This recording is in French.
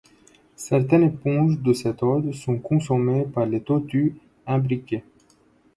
Certaines éponges de cet ordre sont consommées par les tortues imbriquées.